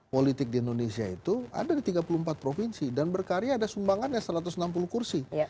politik di indonesia itu ada di tiga puluh empat provinsi dan berkarya ada sumbangannya satu ratus enam puluh kursi